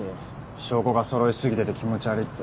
証拠がそろいすぎてて気持ち悪いって。